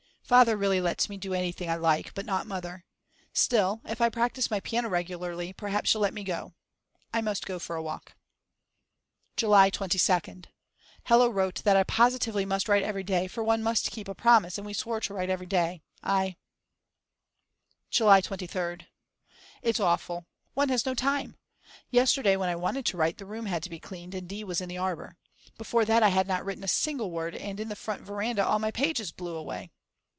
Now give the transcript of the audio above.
Father really lets me do anything I like, but not Mother. Still, if I practice my piano regularly perhaps she'll let me go. I must go for a walk. July 22nd. Hella wrote that I positively must write every day, for one must keep a promise and we swore to write every day. I. ... July 23rd. It's awful. One has no time. Yesterday when I wanted to write the room had to be cleaned and D. was in the arbour. Before that I had not written a single word and in the front veranda all my pages blew away.